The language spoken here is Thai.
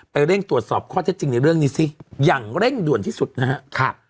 เร่งตรวจสอบข้อเท็จจริงในเรื่องนี้ซิอย่างเร่งด่วนที่สุดนะครับ